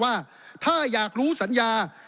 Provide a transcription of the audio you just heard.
ว่าถ้าอยากรู้สัญญา